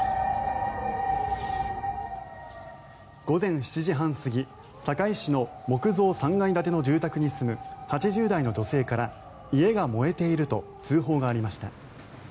午前７時半過ぎ堺市の木造３階建ての住宅に住む８０代の女性から家が燃えていると通報がありました。